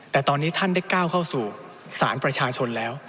แต่ตอนนี้ท่านได้ก้าวเข้าสู่สารประชาชนแล้ว